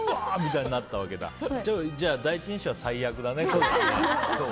じゃあ第一印象は最悪だね。